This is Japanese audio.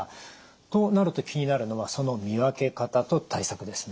となると気になるのはその見分け方と対策ですね。